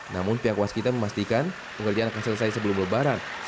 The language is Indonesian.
namun pihak waskita memastikan pengerjaan akan selesai sebelum lebaran